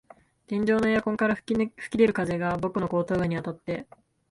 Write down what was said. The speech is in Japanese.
天井のエアコンから吹き出る風が僕の後頭部にあたって、